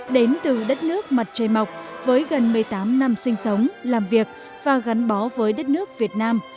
đến từ đất nước mặt trời mọc với gần một mươi tám năm sinh sống làm việc và gắn bó với đất nước việt nam